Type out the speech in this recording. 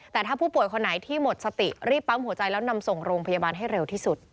แต่ถ้าผู้ป่วยคนไหนที่หมดสติรีบปั๊มหัวใจแล้วนำส่งโรงพยาบาลให้เร็วที่สุด